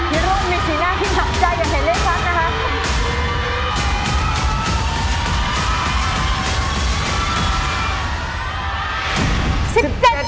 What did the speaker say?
พี่รุ่งมีสีหน้าที่หักใจอย่างเห็นเลขทั้งนะครับ